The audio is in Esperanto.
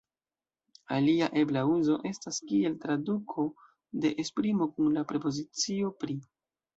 Alia ebla uzo estas kiel traduko de esprimo kun la prepozicio "pri".